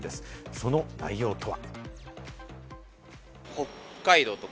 その内容とは？